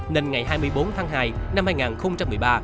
nên ngày hai mươi bốn tháng hai năm hai nghìn một mươi ba